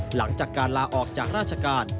หลังจากการลาออกจากราชการ